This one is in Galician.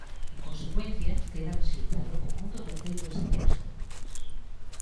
En consecuencia, queda rexeitado o punto terceiro deste texto.